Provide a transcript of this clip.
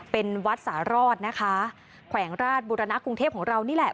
เป็นวัดสารอดนะคะแขวงราชบุรณะกรุงเทพของเรานี่แหละ